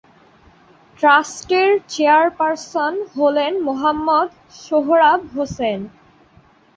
ট্রাস্টের চেয়ারপার্সন হলেন মোহাম্মদ সোহরাব হোসেন।